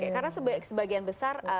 karena sebagian besar